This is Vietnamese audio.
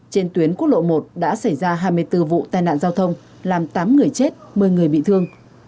trên tuyến quốc lộ một đã xảy ra hai mươi bốn vụ tai nạn giao thông làm tám người chết một mươi người bị thương